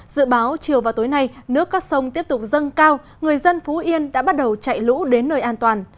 dự báo chiều vào tối nay nước các sông tiếp tục dâng cao người dân phú yên đã bắt đầu chạy lũ đến nơi an toàn